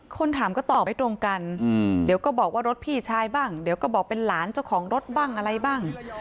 คนถามก็ตอบไม่ตรงกันเดี๋ยวก็บอกว่ารถพี่ชายบ้างเดี๋ยวก็บอกเป็นหลานเจ้าของรถบ้างอะไรบ้าง